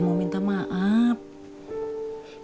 sopi benci sama atu